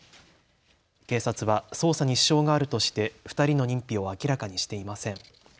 警察は捜査に支障があるとして２人の認否を明らかにしていません。